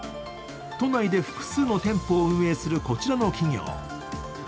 都内で複数の店舗を運営するこちらの企業